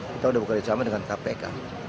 kita udah buka diri sama dengan kpk